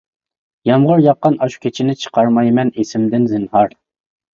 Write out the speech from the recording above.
يامغۇر ياغقان ئاشۇ كېچىنى چىقارمايمەن ئېسىمدىن زىنھار.